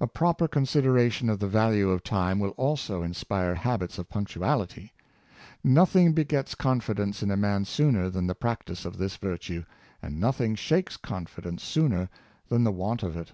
A pro per consideration of the value of time will also inspire habits of punctuality. Nothing begets confi dence in a man sooner than the practice of this virtue, and nothing shakes confidence sooner than the want of it.